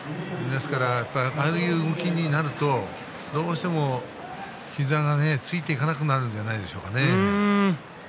ああいう動きになるとどうしても膝がついていけなくなるんじゃないんでしょうかね。